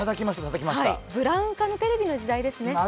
ブラウン管テレビの時代ですね。